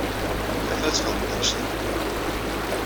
Fiḥal ad txedmeḍ anect-a feli